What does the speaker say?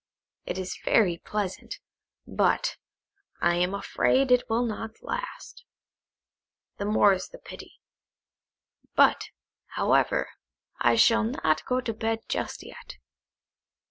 "It is very pleasant, but I am afraid it will not last. The more's the pity; but, however, I shall not go to bed just yet."